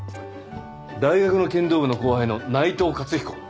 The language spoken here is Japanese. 大学の剣道部の後輩の内藤勝彦。